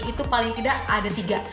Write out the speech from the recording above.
itu paling tidak ada tiga